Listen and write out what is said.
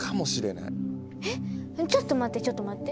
えっちょっと待ってちょっと待って。